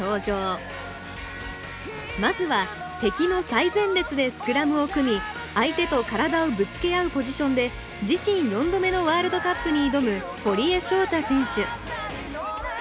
まずは敵の最前列でスクラムを組み相手と体をぶつけ合うポジションで自身４度目のワールドカップに挑む堀江翔太選手。